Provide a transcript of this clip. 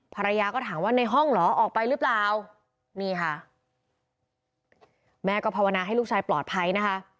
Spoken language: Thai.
ภรรยาก็ถามว่าในห้องเหรอออกไปหรือเปล่านี่ค่ะแม่ก็ภาวนาให้ลูกชายปลอดภัยนะคะ